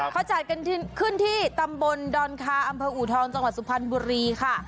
เขาจัดกันขึ้นที่ตำบลดอนคาอำเภออูทองจังหวัดสุพรรณบุรีค่ะ